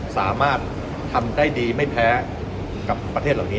สามารถทำได้ดีไม่แพ้กับประเทศเหล่านี้